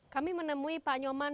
kami menemui pak nyoman